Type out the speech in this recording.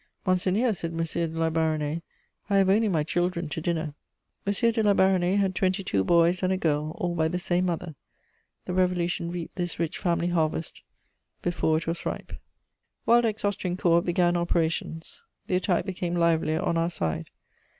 "Monseigneur," said M. de La Baronnais, "I have only my children to dinner." M. de La Baronnais had twenty two boys and a girl, all by the same mother. The Revolution reaped this rich family harvest before it was ripe. * Waldeck's Austrian corps began operations. The attack became livelier on our side.